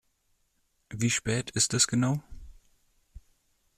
Wie spät ist es genau?